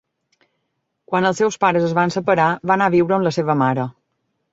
Quan els seus pares es van separar va anar a viure amb la seva mare.